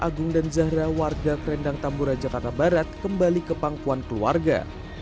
agung dan zahra warga krendang tambora jakarta barat kembali ke pangkuan keluarga